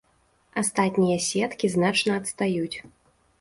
Астатнія сеткі значна адстаюць.